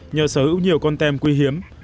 nhờ sở hữu nhiều con tem quý hiếm